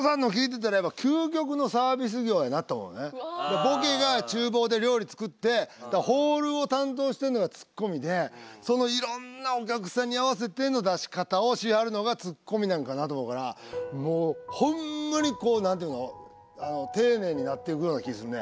ボケが厨房で料理作ってだからホールを担当してるのがツッコミでそのいろんなお客さんに合わせての出し方をしはるのがツッコミなんかなと思うからもうホンマにこう何て言うの丁寧になっていくような気するね。